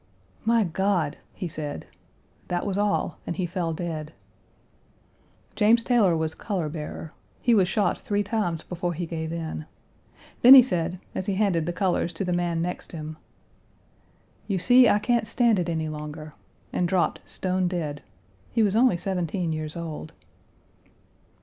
"My God!" he said; that was all, and he fell dead. James Taylor was color bearer. He was shot three times before he gave in. Then he said, as he handed the colors to the man next him, "You see I can't stand it any longer," and dropped stone dead. He was only seventeen years old.